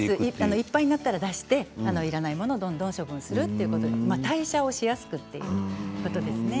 いっぱいになったら出していらないものをどんどん処分する、代謝しやすくするということですね。